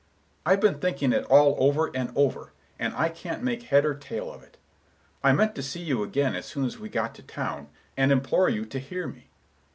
I've been thinking it all over and over, and I can't make head or tail of it. I meant to see you again as soon as we got to town, and implore you to hear me.